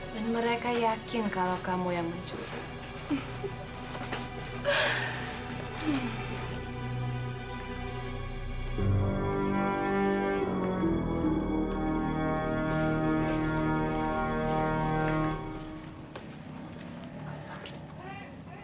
dan mereka yakin kalau kamu yang mencuri